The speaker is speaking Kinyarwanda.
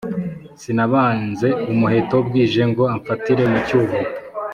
Sinabanze umuheto bwije, ngo amfatire mu cyuho